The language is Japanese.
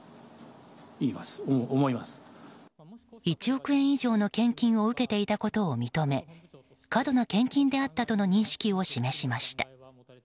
１億円以上の献金を受けていたことを認め過度な献金であったとの認識を示しました。